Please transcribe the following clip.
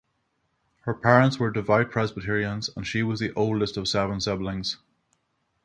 Her parents were devout Presbyterians and she was the oldest of seven siblings.